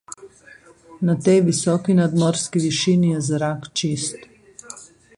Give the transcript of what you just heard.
Na tej visoki nadmorski višini je zrak čist.